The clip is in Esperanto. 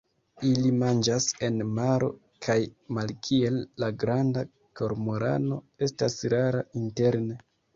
Ili manĝas en maro, kaj, malkiel la Granda kormorano, estas rara interne.